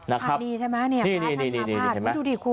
อาภาษณ์ดีใช่มั้ยเนี่ยนี่มิดูดิคุณ